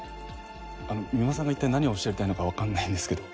三馬さんが一体何をおっしゃりたいのかわからないんですけど。